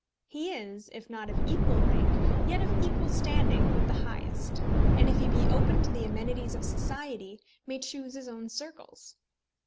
He is, if not of equal rank, yet of equal standing with the highest; and if he be open to the amenities of society, may choose his own circles.